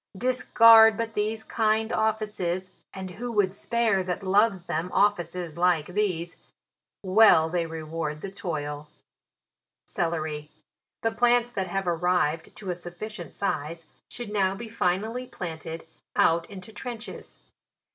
" Discharge but these kind offices, (and who " Would spare, that loves them, offices like these) " Well they reward the toil." CELERY. ■• The plants that have arrived to a sufficient JULY. 153 size, should now be finally planted out into trenches.